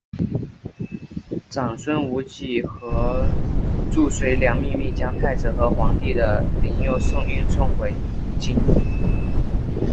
长孙无忌和褚遂良秘密将太子和皇帝的灵柩运送回京。